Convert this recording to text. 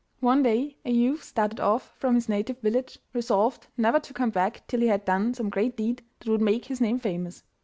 One day a youth started off from his native village, resolved never to come back till he had done some great deed that would make his name famous.